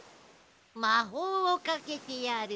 まほうをかけてやる。